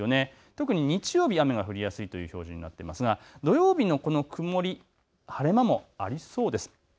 特に日曜日、雨が降りやすいという表示になっていますが土曜日のこの曇り晴れ間もありそうです。